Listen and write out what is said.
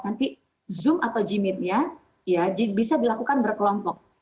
nanti zoom atau jimmitnya bisa dilakukan berkelompok